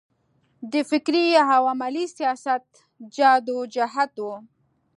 د فکري او عملي سیاست جدوجهد و.